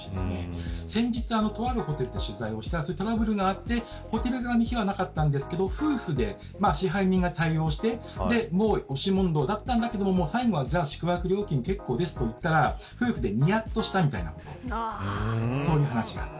先日、とあるホテルを取材しましたらトラブルがあって、ホテル側に非はなかったんですが夫婦で、支配人が対応して押し問答だったんだけど最後は宿泊料金結構ですと言ったらにやっとしたみたいなことがあった。